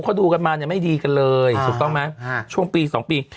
เขาดูกันมาเนี่ยไม่ดีกันเลยถูกต้องไหมช่วงปี๒ปี